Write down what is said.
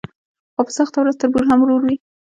خو په سخته ورځ تربور هم ورور وي.